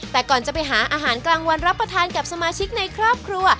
แต่ก่อนจะไปหาอาหารกลางวันรับประทานกับสมาชิกในครอบครัว